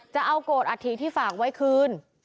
จะเอาโกรธอัฐิที่ฝากไว้คืน